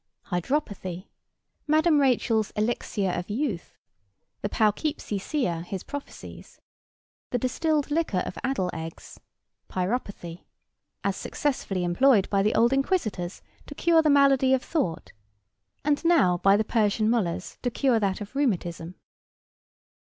Hydropathy. Madame Rachel's Elixir of Youth. The Poughkeepsie Seer his Prophecies. The distilled liquor of addle eggs. Pyropathy. As successfully employed by the old inquisitors to cure the malady of thought, and now by the Persian Mollahs to cure that of rheumatism.